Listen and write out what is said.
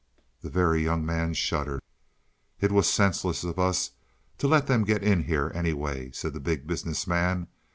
The Very Young Man shuddered. "It was senseless of us to let them get in here anyway," said the Big Business Man.